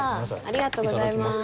ありがとうございます。